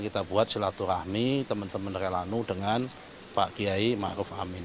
kita buat silaturahmi teman teman relanu dengan pak kiai maruf amin